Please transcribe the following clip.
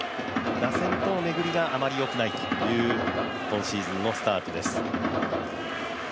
打線との巡りがあまりよくない今シーズンのスタートです。